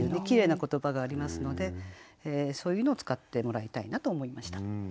きれいな言葉がありますのでそういうのを使ってもらいたいなと思いました。